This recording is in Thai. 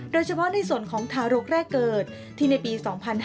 โดยเฉพาะในส่วนของทารกแรกเกิดที่ในปี๒๕๕๙